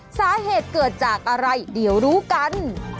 สาเหตุเกิดจากอะไรเดี๋ยวรู้กัน